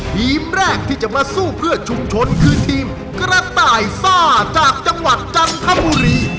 ทีมแรกที่จะมาสู้เพื่อชุมชนคือทีมกระต่ายซ่าจากจังหวัดจันทบุรี